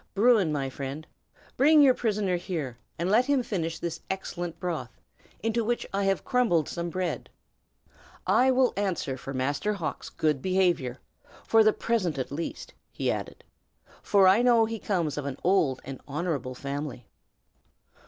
Bruin, my friend, bring your prisoner here, and let him finish this excellent broth, into which I have crumbled some bread. I will answer for Master Hawk's good behavior, for the present at least," he added, "for I know that he comes of an old and honorable family."